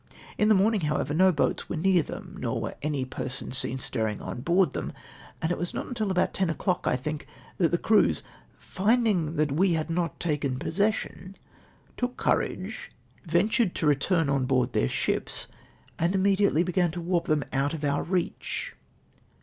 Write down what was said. In tlie morning, how ever, no boats were near them, nor were any persons seen stirring on board them ; and it was not till about ten o'clock, I think, that the cxe^YS, find in;] that we had not tal'en •pos session, took courage, ventured to return on board their ships, and immediately began to ivarp them but of our reach.